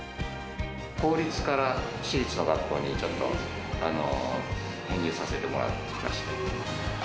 公立から私立の学校にちょっと編入させてもらいました。